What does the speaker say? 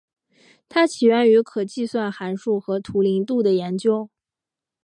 它起源于可计算函数和图灵度的研究。